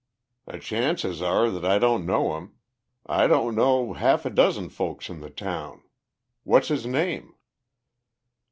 "The chances are that I don't know him. I don't know half a dozen folks in the town. What's his name?"